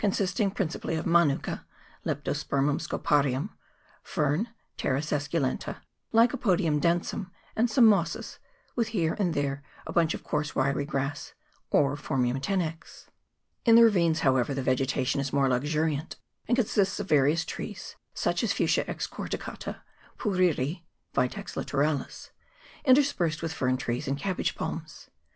201 sisting principally of manuka (Leptospermum sco parium), fern (Pteris esculenta), Lycopodium den sum, and some mosses, with here and there a bunch of coarse, wiry grass, or Phormium tenax. In the ravines, however, the vegetation is more luxuriant, and consists of various trees, such as Fuchsia excor ticata, puriri (Vitex litoralis), interspersed with fern trees and cabbage palms.